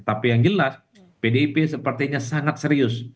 tapi yang jelas pdip sepertinya sangat serius